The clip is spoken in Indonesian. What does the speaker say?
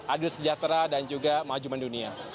adil sejahtera dan juga maju mendunia